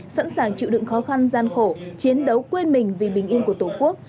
sẵn sàng chịu đựng khó khăn gian khổ chiến đấu quên mình vì bình yên của tổ quốc